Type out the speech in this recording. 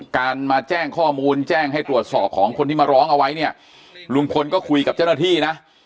การมาแจ้งข้อมูลแจ้งให้ตรวจสอบของคนที่มาร้องเอาไว้เนี่ยลุงพลก็คุยกับเจ้าหน้าที่นะ